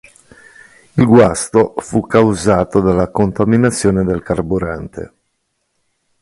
Il guasto fu causato dalla contaminazione del carburante.